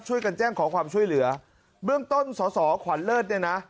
ช่วยกันแจ้งขอความช่วยเหลือเบื้องต้นสอสอขวัญเลิศเนี่ยนะ